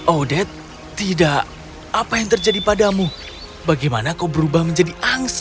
odet tidak apa yang terjadi padamu bagaimana kau berubah menjadi angsa